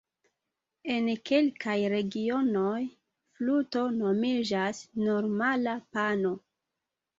En kelkaj regionoj 'fluto' nomiĝas normala 'pano'.